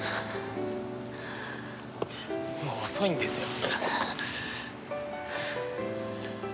もう遅いんですよ。